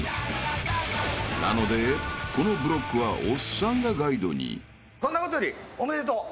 なのでこのブロックはおっさんがガイドに］そんなことよりおめでとう。